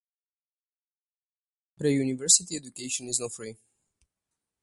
Pre-university education is not free.